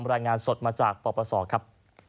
รายงานสดมาจากปปศครับ